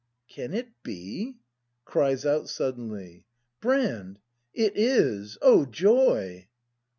Can it be ? [Cries out suddenly.] Brand ! It is ! O joy